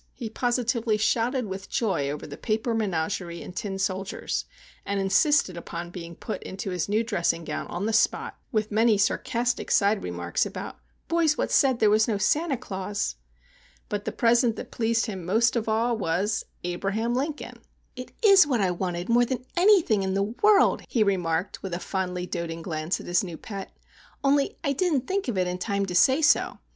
He positively shouted with joy over the paper menagerie and tin soldiers; and insisted upon being put into his new dressing gown on the spot, with many sarcastic side remarks about "boys what said there was no Santa Claus!" But the present that pleased him most of all was—Abraham Lincoln! "It is what I wanted more than anything in the world!" he remarked, with a fondly doting glance at his new pet. "Only I didn't think of it in time to say so.